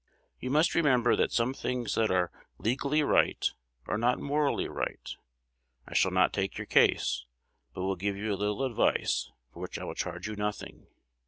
You must remember that some things that are legally right are not morally right. I shall not take your case, but will give you a little advice, for which I will charge you nothing.